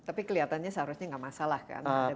tapi kelihatannya seharusnya nggak masalah kan